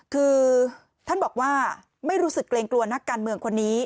คือท่านบอกว่าไม่รู้สึกเกรงกลัวนักการเมืองคนนี้